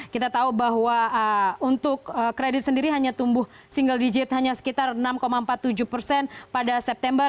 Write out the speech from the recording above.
kita tahu bahwa untuk kredit sendiri hanya tumbuh single digit hanya sekitar enam empat puluh tujuh persen pada september